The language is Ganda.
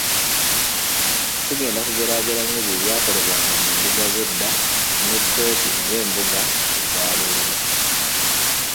Tugenda kugeraageranya ebyo ebyakolebwanga mu mbuga ez’edda ne kkooti oba embuga eza leero.